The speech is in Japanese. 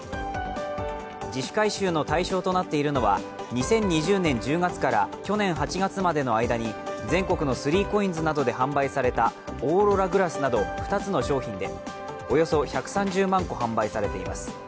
自主回収の対象となっているのは２０２０年１０月から去年８月までの間に全国の３ＣＯＩＮＳなどで販売されたオーロラグラスなど２つの商品でおよそ１３０万個、販売されています。